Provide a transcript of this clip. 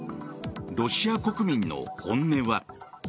ロシア国民の本音は。